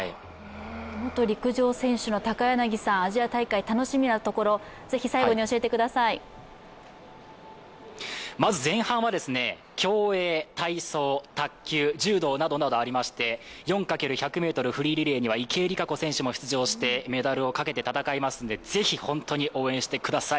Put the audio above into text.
元陸上選手の高柳さん、アジア大会の楽しみなところ、まず前半は競泳、体操、卓球、柔道などなどありまして、４×１００ｍフリーリレーには池江璃花子選手も出場してメダルをかけて戦いますので、ぜひ本当に応援してください。